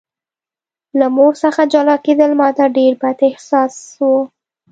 له مور څخه جلا کېدل ماته ډېر بد احساس و